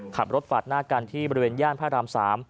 ขับรถปาดหน้ากันที่บริเวณย่านพระราม๓